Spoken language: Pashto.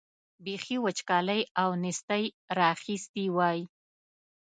بېخي وچکالۍ او نېستۍ را اخیستي وای.